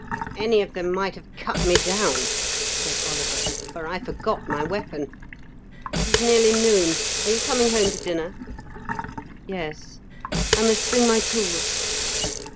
"Any of them might have cut me down," said Oliver; "for I forgot my weapon. It is nearly noon; are you coming home to dinner?" "Yes; I must bring my tools."